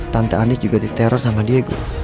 tante anies juga diteror sama diego